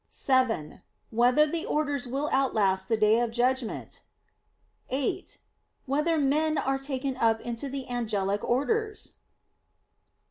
(7) Whether the orders will outlast the Day of Judgment? (8) Whether men are taken up into the angelic orders?